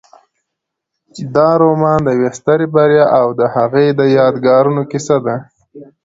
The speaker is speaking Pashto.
دا رومان د یوې سترې بریا او د هغې د یادګارونو کیسه ده.